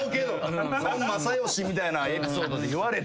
孫正義みたいなエピソードで言われても。